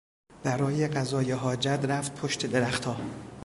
برای قضای حاجت رفت پشت درختها.